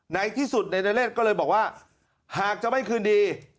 ในที่สุดนายนเรศก็เลยบอกว่าหากจะไม่คืนดี